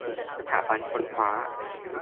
สถาบันค้นคว้า